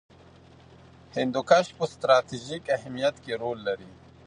هندوکش په ستراتیژیک اهمیت کې رول لري.